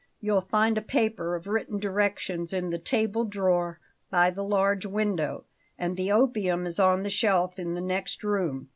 You'll find a paper of written directions in the table drawer by the large window, and the opium is on the shelf in the next room.